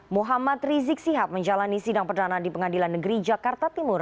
muhammad rizik sihab menjalani sidang perdana di pengadilan negeri jakarta timur